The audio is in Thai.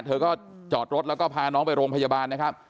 เธอก็จอดรถแล้วก็พาน้องไปโรงพยาบาลนะครับ